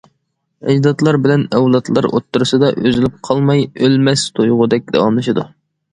ئەجدادلار بىلەن ئەۋلادلار ئوتتۇرىسىدا ئۈزۈلۈپ قالماي ئۆلمەس تۇيغۇدەك داۋاملىشىدۇ.